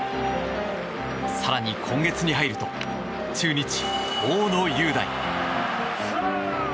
更に今月に入ると中日、大野雄大。